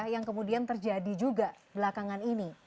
yang kemudian terjadi juga belakangan ini